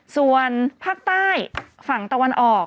ส่วนภาคใต้ฝั่งตะวันออก